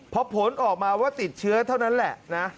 พอผลออกมาว่าติดเชื้อเท่านั้นแหละนะ